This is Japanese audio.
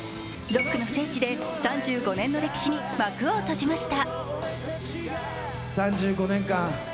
ロックの聖地で３５年の歴史に幕を閉じました。